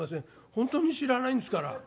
本当に知らないんですから」。